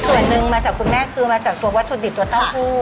ส่วนหนึ่งมาจากคุณแม่คือมาจากตัววัตถุดิบตัวเต้าหู้